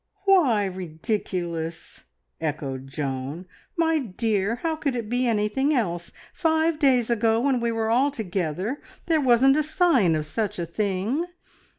"Why ridiculous?" echoed Joan. "My dear, how could it be anything else? Five days ago, when we were all together, there wasn't a sign of such a thing.